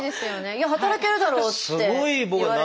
いや働けるだろって言われちゃう。